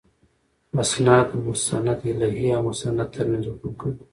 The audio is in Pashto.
اِسناد د مسندالیه او مسند تر منځ حکم کوي.